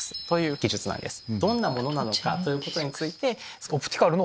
そんなものなのか？ということについて。